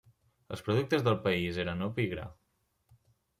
Els productes del país eren opi i gra.